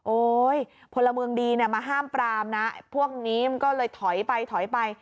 พลเมืองดีเนี่ยมาห้ามปรามนะพวกนี้มันก็เลยถอยไปถอยไป